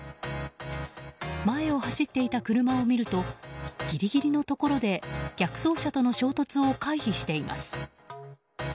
前を走っていた車を見るとギリギリのところで逆走車との衝突を回避しています。